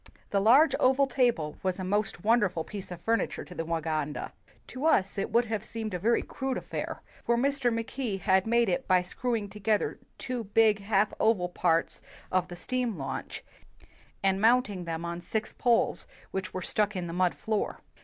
The large oval table was a most wonderful piece of furniture to the Waganda. To us it would have seemed a very crude affair, for Mr. Mackay had made it by screwing to 91 WHITE MAN OF WORK gether two big half oval parts of the steam launch, and mounting them on six poles which were stuck in the mud floor.